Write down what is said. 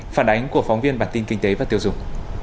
phản ánh của phóng viên bản tin kinh tế và tiêu dùng